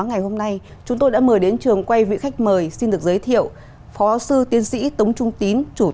phải làm đúng luật thôi